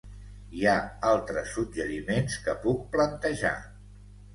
Hi ha altres suggeriments que puc plantejar.